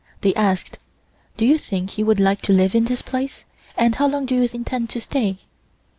They asked: "Do you think you would like to live in this place, and how long do you intend to stay?"